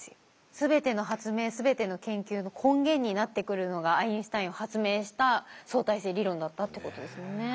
全ての発明全ての研究の根源になってくるのがアインシュタインが発明した相対性理論だったってことですよね。